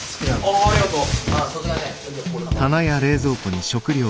あありがとう。